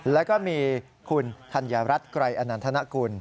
แล้วก็มีคุณธัญรัฐไกรอนันทนกุล